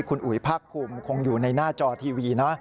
คุณอุ๋ยภาคภูมิคงอยู่ในหน้าจอทีวีนะ